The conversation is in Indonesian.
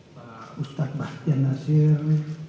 pak ustadz bahjian nasir